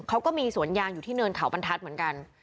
เขาก็มีสวนยางอยู่ที่เนินเขาบรรทัศน์เหมือนกัน